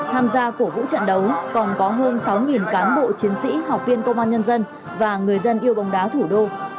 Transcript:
tham gia cổ vũ trận đấu còn có hơn sáu cán bộ chiến sĩ học viên công an nhân dân và người dân yêu bóng đá thủ đô